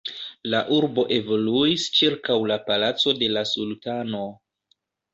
La urbo evoluis ĉirkaŭ la palaco de la sultano.